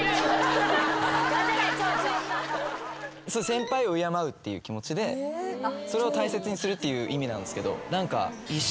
先輩を敬うっていう気持ちでそれを大切にするっていう意味なんですけど。